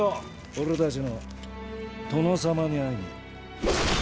俺たちの殿様に会いに。